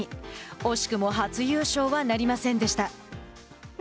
惜しくも初優勝はなりませんでした。